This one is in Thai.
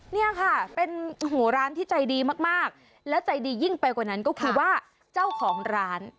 เนี่ยค่ะเป็นร้านที่ใจดีมากและใจดียิ่งไปกว่านั้นก็คือว่าเจ้าของร้าน